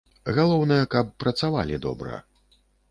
Галоўнае, каб працавалі добра.